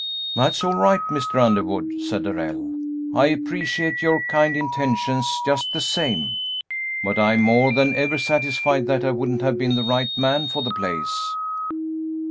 "That's all right, Mr. Underwood," said Darrell; "I appreciate your kind intentions just the same, but I am more than ever satisfied that I wouldn't have been the right man for the place."